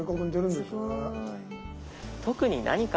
すごい。